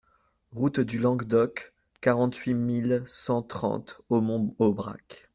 Route du Languedoc, quarante-huit mille cent trente Aumont-Aubrac